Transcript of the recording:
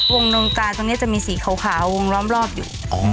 งนมกาตรงนี้จะมีสีขาววงล้อมรอบอยู่